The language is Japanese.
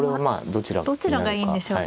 どちらがいいんでしょうかね。